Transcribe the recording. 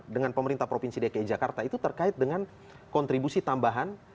dengan pemerintah provinsi dki jakarta itu terkait dengan kontribusi tambahan